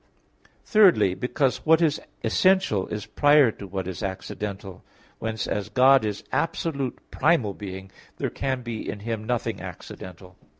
Thirdly, because what is essential is prior to what is accidental. Whence as God is absolute primal being, there can be in Him nothing accidental.